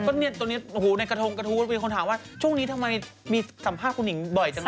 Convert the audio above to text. ก็เนี่ยตรงนี้ในกระทงกระทู้มีคนถามว่าช่วงนี้ทำไมมีสัมภาษณ์คุณหญิงบ่อยจังเลย